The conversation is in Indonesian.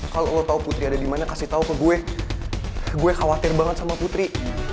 kalau lo tau putri ada dimana kasih tahu ke gue gue khawatir banget sama putri